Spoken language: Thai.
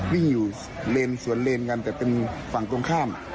วิ่งอยู่เลนสวนเลนกันแต่เป็นฝั่งตรงข้าม